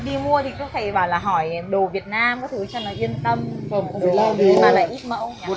đi mua thì có thể bảo là hỏi đồ việt nam các thứ cho nó yên tâm